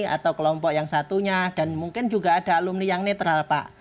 atau kelompok yang satunya dan mungkin juga ada alumni yang netral pak